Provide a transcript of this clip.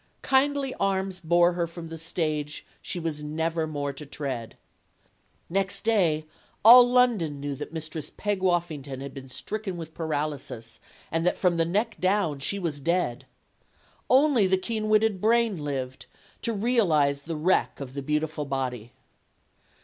Kindly arms bore her from the stage she was never more to tread. Next day, all London knew that Mistress Peg Woffington had been stricken with paraly sis and that from the neck down she was dead. Only PEG WOFFINGTON 59 the keen witted brain lived, to realize the wreck of the beautiful body.